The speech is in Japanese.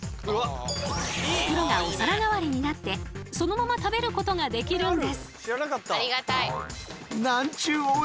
袋がお皿代わりになってそのまま食べることができるんです。